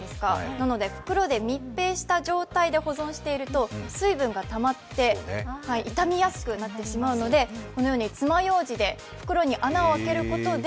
なので袋で密閉した状態で保存していると水分がたまって傷みやすくなってしまうのでこのように爪ようじで袋に穴を開けることで